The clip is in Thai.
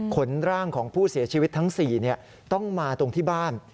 ขนร่างของผู้เสียชีวิตทั้ง๔ต้องมาตรงที่บ้าน